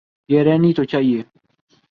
یہ رہنی تو چاہیے۔